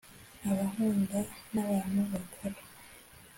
nkaba nkunda n’abantu bakora